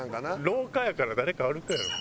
「廊下やから誰か歩くやろ」